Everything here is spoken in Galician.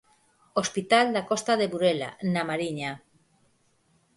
Hospital da Costa de Burela, na Mariña.